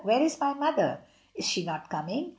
"Where is my mother? Is she not coming?"